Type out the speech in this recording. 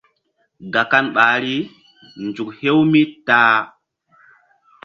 Gakan ɓahri: nzuk hew mi ta-a.